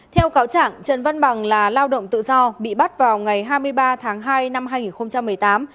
theo cáo trạng trần văn bằng là lao động tự do bị bắt vào ngày hai mươi ba tháng hai năm hai nghìn một mươi tám